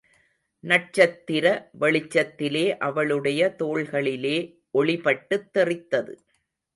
நட்சத்திர வெளிச்சத்திலே அவளுடைய தோள்களிலே ஒளிபட்டுத் தெறித்தது.